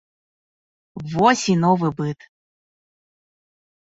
Вось і новы быт!